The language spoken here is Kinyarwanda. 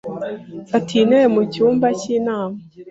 Fata iyi ntebe mucyumba cy'inama.